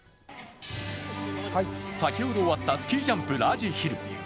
先ほど終わったスキージャンプラージヒル。